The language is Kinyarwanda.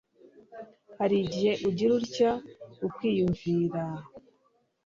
Hari igihe ugira utya ukiyumviraaaa